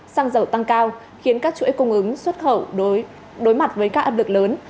xăng dầu tăng cao khiến các chuỗi cung ứng xuất khẩu đối mặt với các áp lực lớn